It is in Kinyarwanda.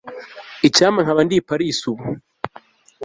Icyampa nkaba ndi i Paris ubu